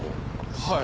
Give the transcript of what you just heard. はい。